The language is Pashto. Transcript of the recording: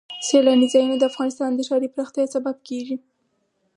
سیلانی ځایونه د افغانستان د ښاري پراختیا سبب کېږي.